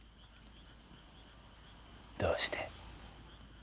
どうして？